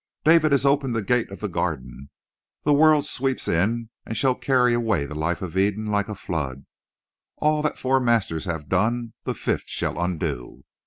"David has opened the gate of the Garden. The world sweeps in and shall carry away the life of Eden like a flood. All that four masters have done the fifth shall undo."